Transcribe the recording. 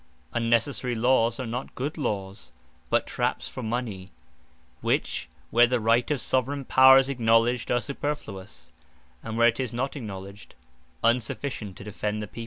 Unnecessary Lawes are not good Lawes; but trapps for Mony: which where the right of Soveraign Power is acknowledged, are superfluous; and where it is not acknowledged, unsufficient to defend the People.